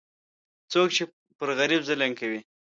څوک چې پر غریب ظلم کوي،